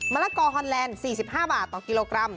ละกอฮอนแลนด์๔๕บาทต่อกิโลกรัม